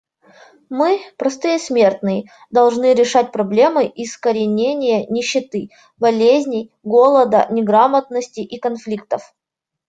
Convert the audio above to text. Мы, простые смертные, должны решать проблемы искоренения нищеты, болезней, голода, неграмотности и конфликтов.